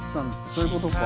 そういうことか。